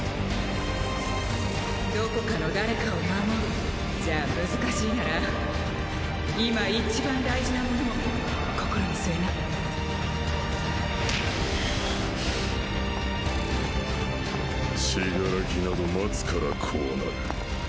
「どこかの誰かを守る」じゃ難しいなら今一番大事なものを心に据えな死柄木など待つからこうなる。